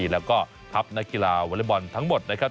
แล้วก็ทัพนักกีฬาวอเล็กบอลทั้งหมดนะครับ